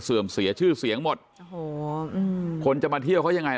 เสียชื่อเสียงหมดโอ้โหอืมคนจะมาเที่ยวเขายังไง